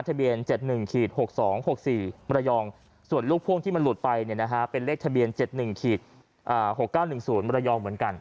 ทะเบียน๗๑๖๒๖๔มรยองส่วนลูกพ่วงที่มันหลุดไปเป็นเลขทะเบียน๗๑๖๙๑๐มรยองเหมือนกัน